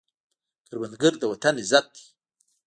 کروندګر د وطن عزت دی